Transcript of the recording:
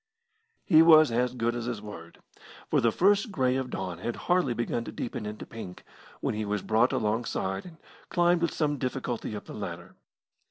He was as good as his word, for the first grey of dawn had hardly begun to deepen into pink when he was brought alongside, and climbed with some difficulty up the ladder.